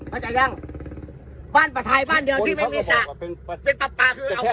อาจารย์ยังบ้านปลาไทยบ้านเดียวที่ไม่มีสระเป็นปลาปลาคือเอา